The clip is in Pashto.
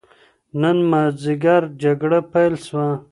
نن ماځیګر جګړه پيل سوه.